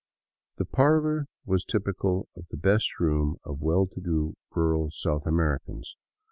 The parlor was typical of the *' best room " of well to do rural South Americans.